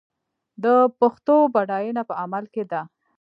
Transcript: د پښتو بډاینه په عمل کې ده.